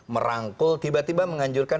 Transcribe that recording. merangkul tiba tiba menganjurkan